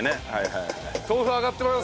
豆腐上がってます。